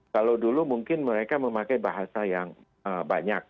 kalau dulu mungkin mereka memakai bahasa yang banyak